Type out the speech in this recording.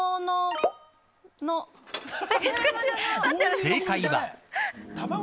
正解は。